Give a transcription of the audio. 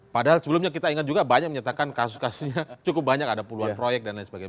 padahal sebelumnya kita ingat juga banyak menyatakan kasus kasusnya cukup banyak ada puluhan proyek dan lain sebagainya